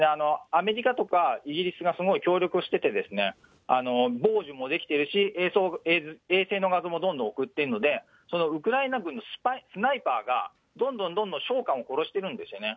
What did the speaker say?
アメリカとかイギリスがすごい協力をしてて、傍受もできてるし、衛星の画像もどんどん送っているので、ウクライナ軍のスナイパーがどんどんどんどん将官を殺してるんですよね。